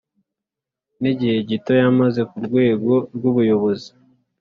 nigihe gito yamaze kurwego rwubuyobozi